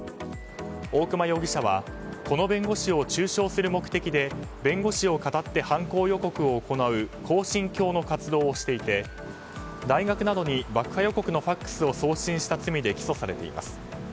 大熊容疑者はこの弁護士を中傷する目的で弁護士をかたって犯行予告を行う恒心教の活動をしていて大学などに、爆破予告のＦＡＸを送信した罪で起訴されています。